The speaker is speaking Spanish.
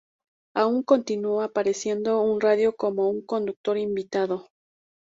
Aún continúa apareciendo en la radio como un "conductor" invitado.